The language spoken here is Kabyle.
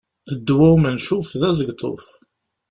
Ddwa umencuf d azegḍuf.